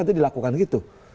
nanti dilakukan gitu